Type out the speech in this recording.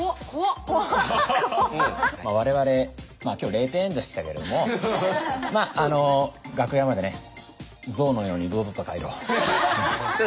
我々今日０点でしたけどもまあ楽屋までね象のように堂々と帰ろう。